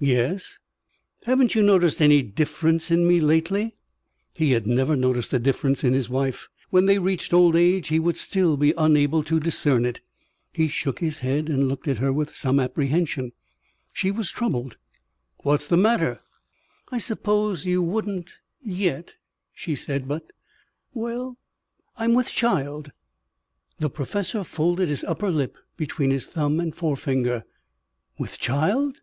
"Yes?" "Haven't you noticed any difference in me lately?" He had never noticed a difference in his wife. When they reached old age, he would still be unable to discern it. He shook his head and looked at her with some apprehension. She was troubled. "What's the matter?" "I suppose you wouldn't yet," she said. "But well I'm with child." The professor folded his upper lip between his thumb and forefinger. "With child?